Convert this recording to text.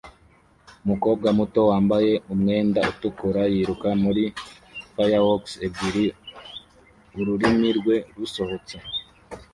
Umukobwa muto wambaye umwenda utukura yiruka muri fireworks ebyiri ururimi rwe rusohotse